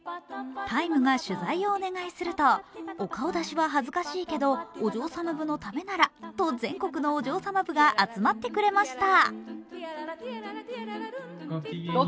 「ＴＩＭＥ，」が取材をお願いすると、お顔出しは恥ずかしいけど、お嬢様部のためならと全国のお嬢様部が集まってくれました。